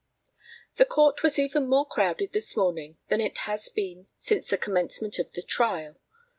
The court was even more crowded this morning than it has been since the commencement of the trial.